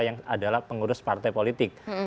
yang adalah pengurus partai politik